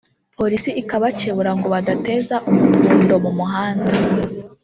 Polisi ikabakebura ngo badateza umuvundo mu muhanda